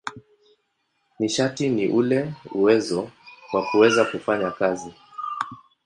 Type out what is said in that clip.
Nishati ni ule uwezo wa kuweza kufanya kazi.